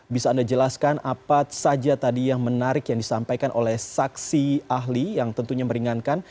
bisa anda jelaskan apa saja tadi yang menarik yang disampaikan oleh saksi ahli yang tentunya meringankan